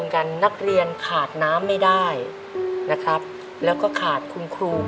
ในแคมเปญพิเศษเกมต่อชีวิตโรงเรียนของหนู